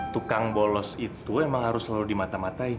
tukang bolos itu emang harus selalu dimata matain